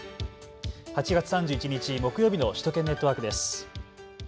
８月３１日木曜日の首都圏ネットワークです。